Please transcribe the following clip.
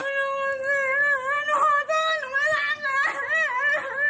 บ้านอยู่ไหนครับ